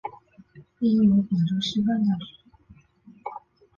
毕业于广州师范大学。